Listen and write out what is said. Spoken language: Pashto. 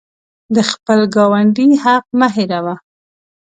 د خپل ګاونډي حق مه هیروه.